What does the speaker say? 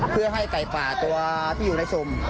เพื่อให้กาหมาอยู่ในสุ่ม